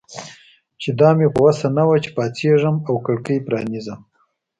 چې دا مې په وسه نه وه چې پاڅېږم او کړکۍ پرانیزم.